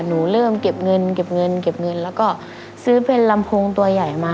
หนูเริ่มเก็บเงินเก็บเงินเก็บเงินแล้วก็ซื้อเป็นลำโพงตัวใหญ่มา